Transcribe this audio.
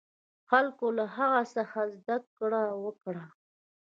خلکو له هغه څخه زده کړه وکړه.